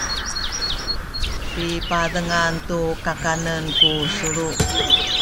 pipazengan tu kakanen ku sulu